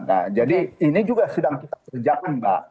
nah jadi ini juga sedang kita kerjakan mbak